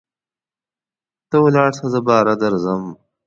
ته ولاړسه زه باره درځم.